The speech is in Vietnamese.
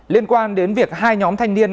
liên quan đến việc hai nhóm thanh niên